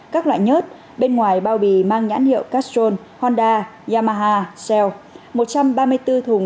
các loại nhớt bên ngoài bao bì mang nhãn hiệu castrol honda yamaha sel một trăm ba mươi bốn thùng